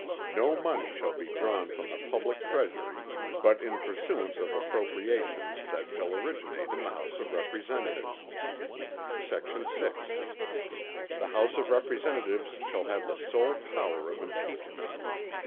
No money shall be drawn from the public Treasury, but in pursuance of appropriations that shall originate in the House of Representatives. Sect. 6. The House of Representatives shall have the sole power of impeachment.